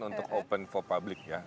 itu bukan untuk open for public ya